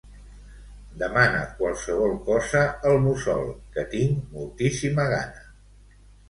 Demana qualsevol cosa al Mussol, que tinc moltíssima gana.